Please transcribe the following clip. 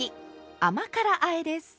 甘辛あえです。